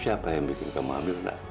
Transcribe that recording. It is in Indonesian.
siapa yang bikin kamu hamil nak